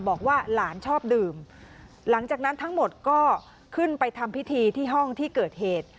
บอกว่าหลานชอบดื่มหลังจากนั้นทั้งหมดก็ขึ้นไปทำพิธีที่ห้องที่เกิดเหตุ